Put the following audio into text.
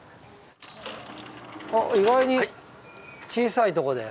あっ意外に小さいとこで。